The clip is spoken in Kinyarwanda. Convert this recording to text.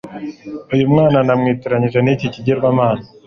Uyu mwana bamwitiranyije n'iki kigirwamana